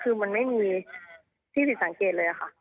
คือมันไม่มีที่สิทธิ์สังเกตเลยอะค่ะ